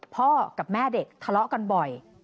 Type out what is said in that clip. พ่อกับแม่เด็กทะเลาะกันบ่อย